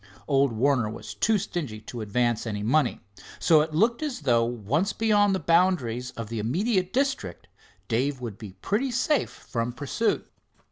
Old Warner was too stingy to advance any money. So, it looked as though once beyond the boundaries of the immediate district, Dave would be pretty safe from pursuit.